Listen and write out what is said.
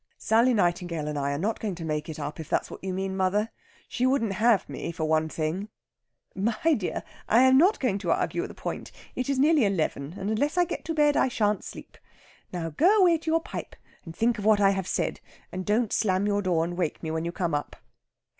"Sally Nightingale and I are not going to make it up, if that's what you mean, mother. She wouldn't have me, for one thing " "My dear, I am not going to argue the point. It is nearly eleven, and unless I get to bed I shan't sleep. Now go away to your pipe, and think of what I have said. And don't slam your door and wake me when you come up."